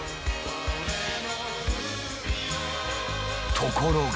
ところが。